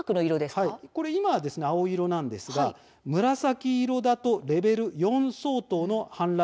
今は青色なんですが紫色だとレベル４相当の氾濫